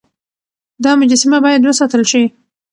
دا مجسمه بايد وساتل شي.